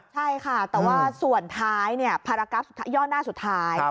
ใช่ค่ะแต่ว่าส่วนท้ายภารกัสย่อหน้าสุดท้าย